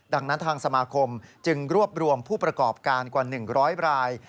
ดังนั้นทางสมาคมจึงรวบรวมผู้ประกอบการกว่า๑๐๐ราย